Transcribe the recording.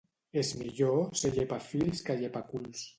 És millor ser llepafils que llepaculs.